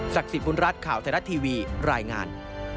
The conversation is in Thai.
สิทธิบุญรัฐข่าวไทยรัฐทีวีรายงาน